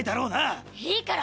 いいから！